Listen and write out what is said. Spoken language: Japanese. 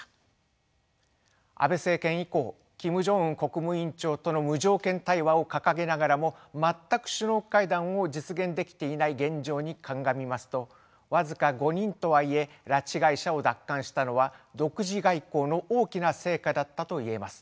安倍政権以降キム・ジョンウン国務委員長との無条件対話を掲げながらも全く首脳会談を実現できていない現状に鑑みますと僅か５人とはいえ拉致被害者を奪還したのは独自外交の大きな成果だったといえます。